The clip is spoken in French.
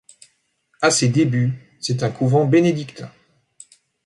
À ses débuts, c'est un couvent bénédictin.